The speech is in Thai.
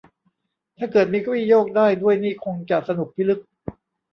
ถ้าเกิดมีเก้าอี้โยกได้ด้วยนี่คงจะสนุกพิลึก